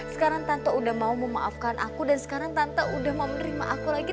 sekarang tanto udah mau memaafkan aku dan sekarang tanto udah mau menerima aku lagi